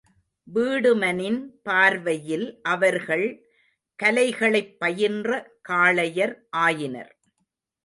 வீடுமனின் பார்வையில் அவர்கள் கலைகளைப் பயின்ற காளையர் ஆயினர்.